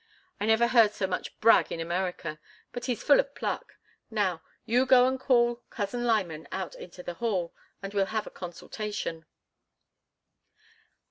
I never heard so much brag in America. But he's full of pluck. Now, you go and call Cousin Lyman out into the hall, and we'll have a consultation."